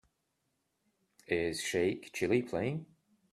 Is Sheikh Chilli playing